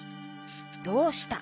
「どうした」？